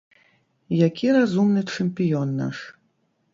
Які разумны чэмпіён наш.